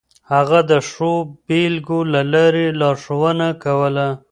هغه د ښو بېلګو له لارې لارښوونه کوله.